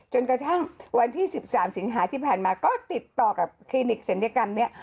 จนกระทั่งวันที่๑๓สิงหาที่ผ่านมาก็ติดต่อกับคลินิกศัลยกรรมเนี่ย